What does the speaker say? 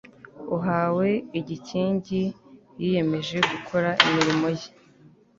uhawe igikingi yiyemeje gukora imirimo ye